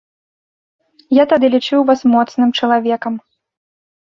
Я тады лічыў вас моцным чалавекам.